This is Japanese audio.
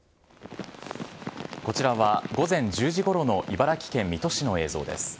こちらは午前１０時ごろの茨城県水戸市の映像です。